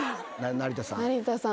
成田さん。